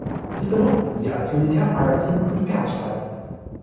Sie benutzten sie als Militär-Magazin und Pferdestall.